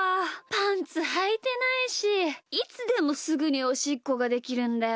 パンツはいてないしいつでもすぐにおしっこができるんだよなあ。